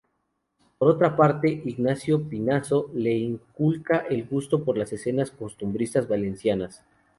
Por otra parte, Ignacio Pinazo le inculca el gusto por las escenas costumbristas valencianas.